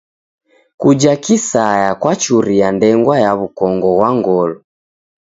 Kuja kisaya kwachuria ndengwa ya w'ukongo ghwa ngolo.